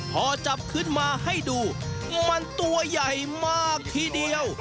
พอจับขึ้นมาให้ดูมันตัวใหญ่มากทีเดียว